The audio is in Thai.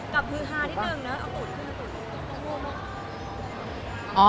กับพื้นฮาที่เดิมเนอะ